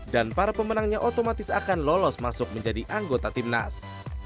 dan para pemenangnya otomatis akan lolos masuk menjadi anggota timnas